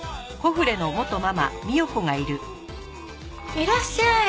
いらっしゃい。